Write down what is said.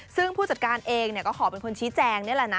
ซึ่งผู้จัดการเองก็ขอเป็นคนชี้แจงนี่แหละนะ